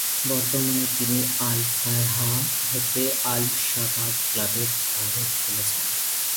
বর্তমানে তিনি আল-ফায়হা হতে আল-শাবাব ক্লাবে ধারে খেলছেন।